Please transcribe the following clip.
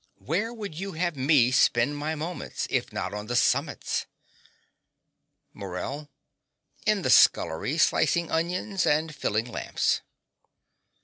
Where would you have me spend my moments, if not on the summits? MORELL. In the scullery, slicing onions and filling lamps.